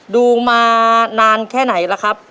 ดูมานานแค่ไหนล่ะครับ